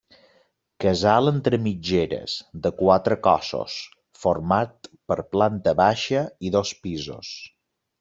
Casal entre mitgeres, de quatre cossos, format per planta baixa i dos pisos.